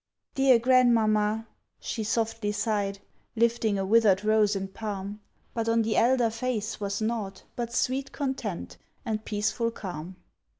"Dear Grandmamma," she softly sighed, Lifting a withered rose and palm; But on the elder face was naught But sweet content and peaceful calm.